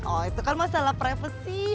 oh itu kan masalah privasi